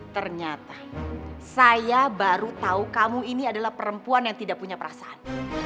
ternyata saya baru tahu kamu ini adalah perempuan yang tidak punya perasaan